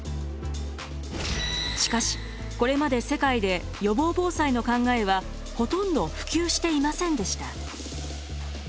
しかしこれまで世界で予防防災の考えはほとんど普及していませんでした。